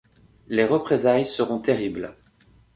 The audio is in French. Les représailles seront terribles.